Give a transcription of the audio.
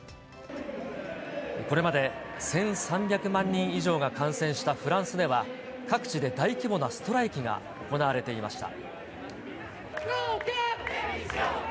これまで１３００万人以上が感染したフランスでは、各地で大規模なストライキが行われていました。